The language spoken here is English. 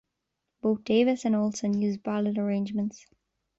Both Davis and Olsson used ballad arrangements.